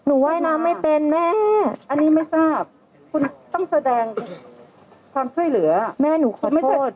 ว่ายน้ำไม่เป็นแม่อันนี้ไม่ทราบคุณต้องแสดงความช่วยเหลือแม่หนูขอไม่จด